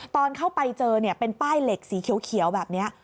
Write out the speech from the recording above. ตอนเข้าไปเจอเป็นป้ายเหล็กสีเขียวแบบนี้